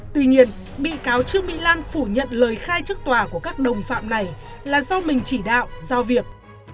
tuy nhiên bị cáo trương mỹ lan phủ nhận lời khai trước tòa của các đồng phạm này là do mình chỉ đạo giao việc